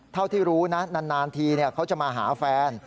เท่าที่รู้นะนานทีเขาจะมาหาแฟน